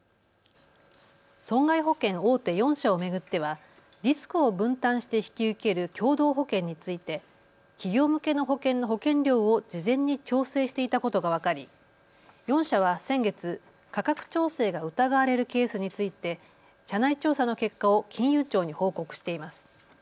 損害保険大手４社を巡ってはリスクを分担して引き受ける共同保険について企業向けの保険の保険料を事前に調整していたことが分かり、４社は先月、価格調整が疑われるケースについて社内調査の結果を金融庁に報告しています。